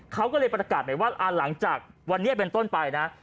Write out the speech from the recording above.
เขาก็เลยประกาศไปว่าหลังจากวันนี้เป็นต้นไปนะ